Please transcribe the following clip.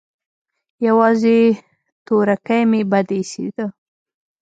يوازې تورکى مې بد اېسېد.